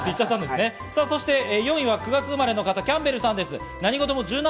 そして４位は９月生まれの方、キャンベルさんです。